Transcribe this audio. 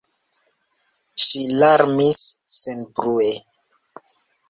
Ŝi larmis senbrue.